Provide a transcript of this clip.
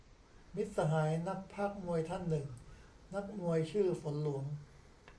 มิตรสหายนักพากย์มวยท่านหนึ่ง นักมวยชื่อฝนหลวง